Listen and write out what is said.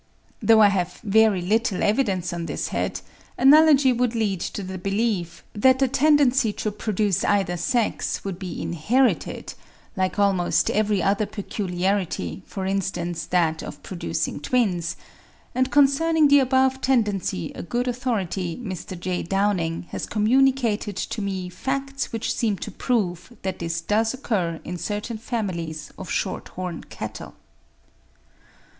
Though I have very little evidence on this head, analogy would lead to the belief, that the tendency to produce either sex would be inherited like almost every other peculiarity, for instance, that of producing twins; and concerning the above tendency a good authority, Mr. J. Downing, has communicated to me facts which seem to prove that this does occur in certain families of short horn cattle.